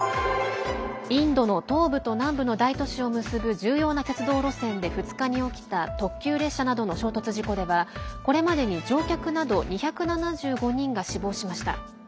インドの東部と南部を結ぶ重要な鉄道路線で２日に起きた特急列車などの衝突事故ではこれまでに乗客など２７５人が死亡しました。